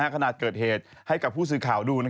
ขณะเกิดเหตุให้กับผู้สื่อข่าวดู